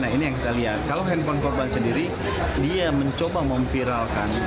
nah ini yang kita lihat kalau handphone korban sendiri dia mencoba memviralkan